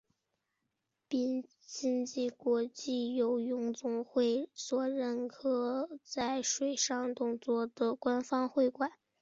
并经国际游泳总会所认可作为水上运动的官方会馆。